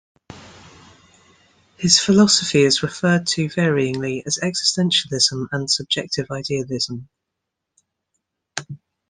His philosophy is referred to varyingly as existentialism and subjective idealism.